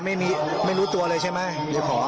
ไม่รู้ตัวเลยใช่ไหมหรือของ